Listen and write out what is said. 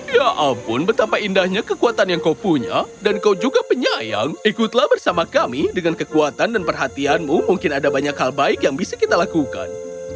ya ampun betapa indahnya kekuatan yang kau punya dan kau juga penyayang ikutlah bersama kami dengan kekuatan dan perhatianmu mungkin ada banyak hal baik yang bisa kita lakukan